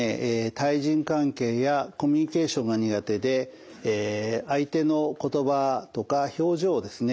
対人関係やコミュニケーションが苦手で相手の言葉とか表情をですね